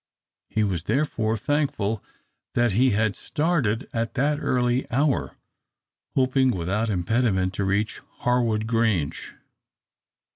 He was therefore thankful that he had started at that early hour, hoping without impediment to reach Harwood Grange.